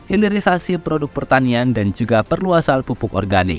hindarisasi produk pertanian dan juga perluasan pupuk organik